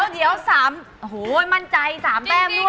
เดี๋ยว๓โอ้โหมั่นใจ๓แต้มด้วย